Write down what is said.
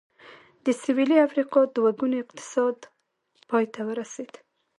د سوېلي افریقا دوه ګونی اقتصاد پای ته ورسېد.